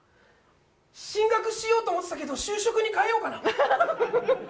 進学しようと思ってたけど就職に変えようかな。